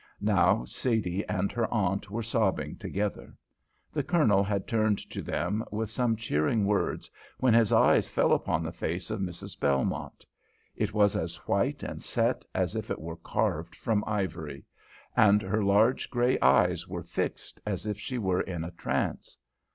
Now Sadie and her aunt were sobbing together. The Colonel had turned to them with some cheering words when his eyes fell upon the face of Mrs. Belmont. It was as white and set as if it were carved from ivory, and her large grey eyes were fixed as if she were in a trance.